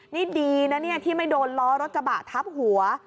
นี่ดีนะเนี่ยที่ไม่โดนล้อรถกระบะทับหัว